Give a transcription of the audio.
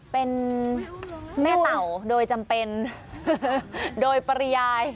เป็นแม่เต่าโดยจำเป็นโดยปริยาย